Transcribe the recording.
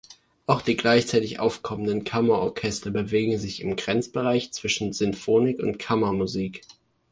Auch die gleichzeitig aufkommenden Kammerorchester bewegen sich im Grenzbereich zwischen Sinfonik und Kammermusik.